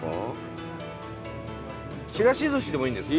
ちらし寿司でもいいんですか？